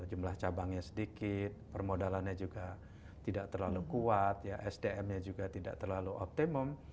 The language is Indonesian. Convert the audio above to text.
jumlah cabangnya sedikit permodalannya juga tidak terlalu kuat sdm nya juga tidak terlalu optimum